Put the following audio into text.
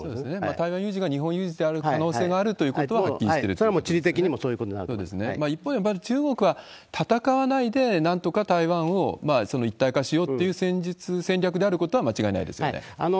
台湾有事が日本有事である可能性があるということははっきりしてそれはもう地理的にもそうい一方でやっぱり中国は戦わないで、なんとか台湾を一帯が使用っていう戦術、戦略であることは間違いないですよね？